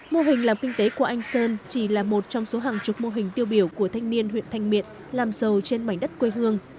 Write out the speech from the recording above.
mô hình làm kinh tế của anh sơn chỉ là một trong số hàng chục mô hình tiêu biểu của thanh niên huyện thanh miện làm sầu trên mảnh đất quê hương